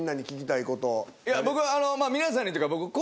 いや僕は皆さんにというか僕昴